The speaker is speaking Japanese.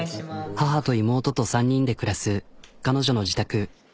母と妹と３人で暮らす彼女の自宅。